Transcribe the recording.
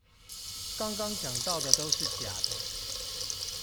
剛剛講到的都是假的